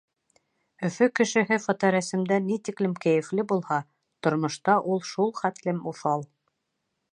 Өфө кешеһе фоторәсемдә ни тиклем кәйефле булһа, тормошта ул шул хәтлем уҫал.